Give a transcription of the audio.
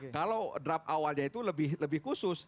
kalau draft awalnya itu lebih khusus